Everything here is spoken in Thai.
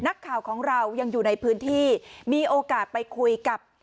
นักข่าวของเรายังอยู่ในพื้นที่มีโอกาสไปคุยกับ